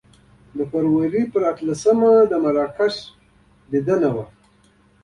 د فبروري په اتلسمه د مراکش لیدنه وه.